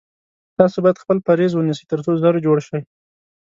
تاسو باید خپل پریز ونیسی تر څو ژر جوړ شی